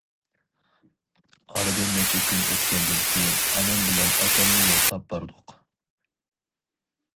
ئارىدىن نەچچە كۈن ئۆتكەندىن كېيىن، ئانام بىلەن ئاتامنى يوقلاپ باردۇق.